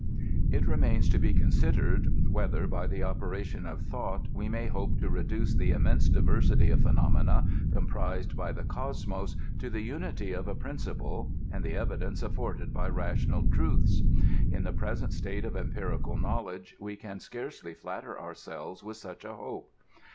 It remains to be considered whether, by the operation of thought, we may hope to reduce the immense diversity of phenomena comprised by the Cosmos to the unity of a princi ple, and the evidence afibrded by rational truths. In the present state of emi»rical knowledge, we can scarcely flatter ourselves with such a hope.